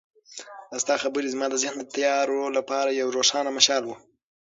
ستا خبرې زما د ذهن د تیارو لپاره یو روښانه مشال و.